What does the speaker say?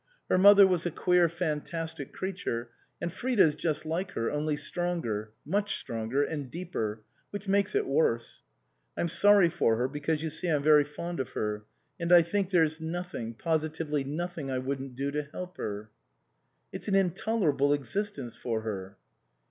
Her mother was a queer fantastic creature, and Frida's just like her, only stronger, much stronger, and deeper, which makes it worse. I'm sorry for her, because you see I'm very fond of her, and I think there's nothing positively nothing I wouldn't do to help her." " It's an intolerable existence for her."